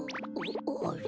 あれ。